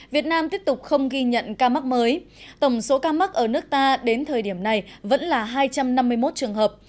việt nam tiếp tục không ghi nhận ca mắc mới tổng số ca mắc ở nước ta đến thời điểm này vẫn là hai trăm năm mươi một trường hợp